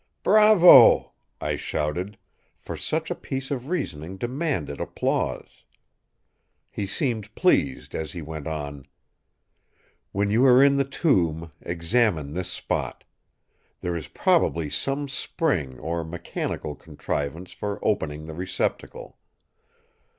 "'Bravo!' I shouted, for such a piece of reasoning demanded applause. He seemed pleased as he went on: "'When you are in the tomb, examine this spot. There is probably some spring or mechanical contrivance for opening the receptacle.